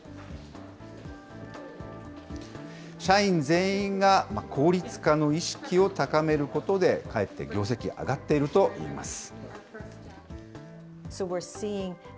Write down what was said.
社員全員が効率化の意識を高めることで、かえって業績が上がっているといいます。